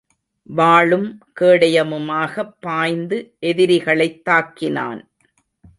வாளும் கேடயமுமாகப் பாய்ந்து எதிரிகளைத் தாக்கினான்.